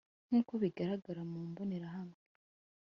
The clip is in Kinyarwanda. Nk uko bigaragara mu mbonerahamwe